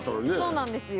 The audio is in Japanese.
そうなんですよ。